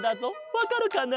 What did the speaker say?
わかるかな？